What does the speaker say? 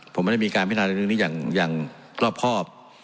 ผมไม่ได้มีการพินาธินิกนี้อย่างรอบครอบ